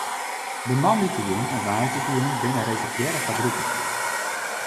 De moandeitejûn en woansdeitejûn binne reservearre foar groepen.